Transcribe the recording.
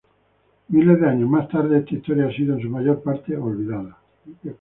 Miles de años más tarde, esta historia ha sido en su mayor parte olvidada.